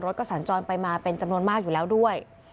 รถก็สัญจรไปมาเป็นจำนวนมากอยู่แล้วด้วย